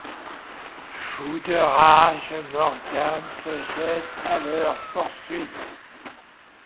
Fou de rage, Morgan se jette à leur poursuite.